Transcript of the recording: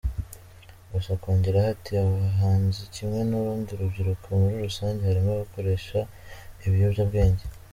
Gusa akongeraho ati “Abahanzi kimwe n’urundi rubyiruko muri rusange, harimo abakoresha ibiyobyabwenge.